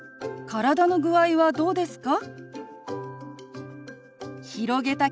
体の具合はどうですか？